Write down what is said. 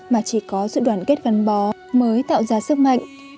mà chỉ có sự đoàn kết gắn bó mới tạo ra sức mạnh